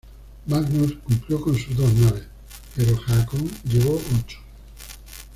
Magnus cumplió con sus dos naves, pero Haakon llevó ocho.